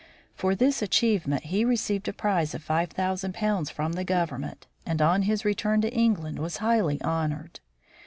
For this achievement he received a prize of ,£5000 from the government and on his return to England was highly honored.